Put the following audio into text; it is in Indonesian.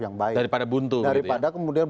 yang baik daripada buntu daripada kemudian